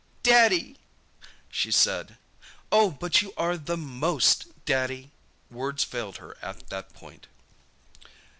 "Daddy!" she said. "Oh, but you are the MOST Daddy!" Words failed her at that point.